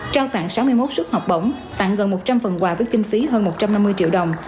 trao tặng sáu mươi một suất học bổng tặng gần một trăm linh phần quà với kinh phí hơn một trăm năm mươi triệu đồng